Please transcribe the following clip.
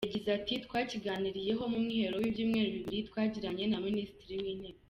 Yagize ati “Twakiganiriyeho mu mwiherero w’ibyumweru bibiri twagiranye na Minisitiri w’Intebe.